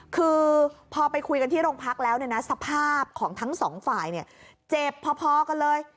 คือพอไปคุยกันที่โรงพักแล้วเนี่ยนะสภาพของทั้งสองฝ่ายเจ็บพอกันเลย